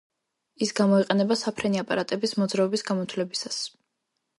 ის გამოიყენება საფრენი აპარატების მოძრაობის გამოთვლებისას.